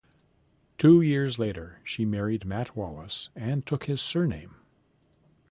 Two years later she married Matt Wallace and took his surname.